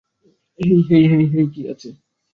হেই, hey, hey, কী হচ্ছে?